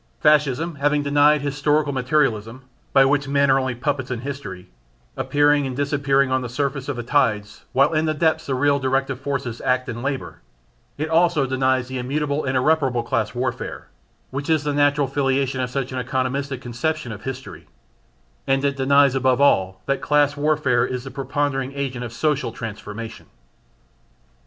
Fascism having denied historical materialism, by which men are only puppets in history, appearing and disappearing on the surface of the tides while in the depths the real directive forces act and labour, it also denies the immutable and irreparable class warfare, which is the natural filiation of such an economistic conception of history: and it denies above all that class warfare is the preponderating agent of social transformation.